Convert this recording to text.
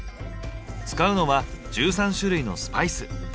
使うのは１３種類のスパイス。